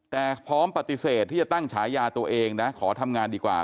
แต่พร้อมปฏิเสธที่จะตั้งฉายาตัวเองนะขอทำงานดีกว่า